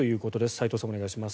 斎藤さん、お願いします。